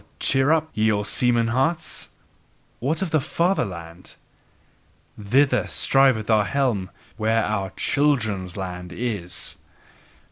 Cheer up! Ye old seaman hearts! What of fatherland! THITHER striveth our helm where our CHILDREN'S LAND is!